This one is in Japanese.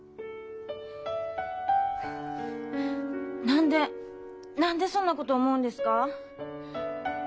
何で何でそんなこと思うんですか？